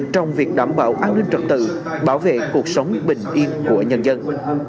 trong việc đảm bảo an ninh trật tự bảo vệ cuộc sống bình yên của nhân dân